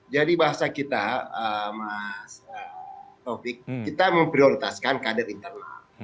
jadi bahasa kita mas taufik kita memprioritaskan kader internal